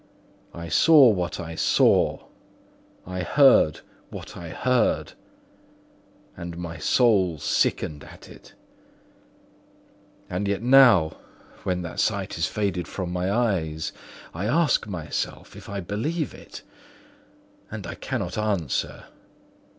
I saw what I saw, I heard what I heard, and my soul sickened at it; and yet now when that sight has faded from my eyes, I ask myself if I believe it, and I cannot answer.